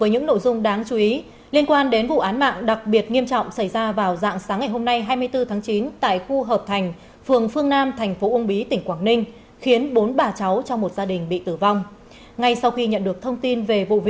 hãy đăng ký kênh để ủng hộ kênh của chúng mình nhé